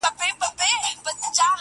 چي مو ګران افغانستان هنرستان سي,